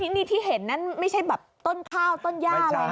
นี่ที่เห็นนั้นไม่ใช่แบบต้นข้าวต้นย่าอะไรนะ